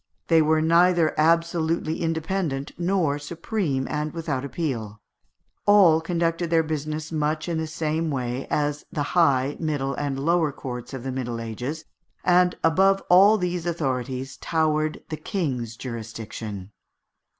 They were neither absolutely independent, nor supreme and without appeal. All conducted their business much in the same way as the high, middle, and lower courts of the Middle Ages; and above all these authorities towered the King's jurisdiction.